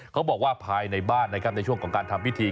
เขาบอกว่าภายในบ้านนะครับในช่วงของการทำพิธี